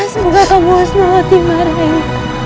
semoga kamu selalu otima raimu